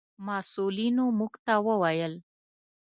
مسؤلینو موږ ته و ویل: